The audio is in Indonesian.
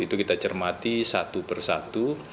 itu kita cermati satu per satu